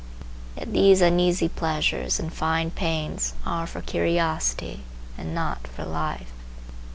Yet these uneasy pleasures and fine pains are for curiosity and not for life.